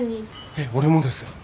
えっ俺もです。